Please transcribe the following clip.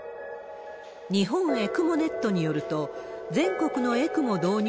日本ＥＣＭＯｎｅｔによると、全国のＥＣＭＯ導入